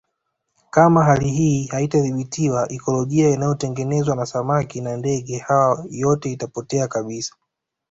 Kama hali hii haitadhibitiwa ikolojia inayotengenezwa na samaki na ndege hawa yote itapotea kabisa